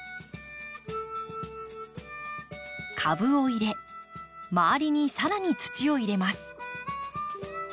株を入れ周りに更に土を入れます。